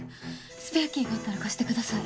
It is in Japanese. スペアキーがあったら貸してください。